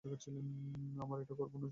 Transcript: আমরা এটা করবো, সোনা।